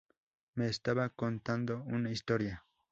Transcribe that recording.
Me estaba contando una historia.